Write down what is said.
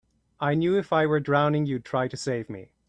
I knew if I were drowning you'd try to save me.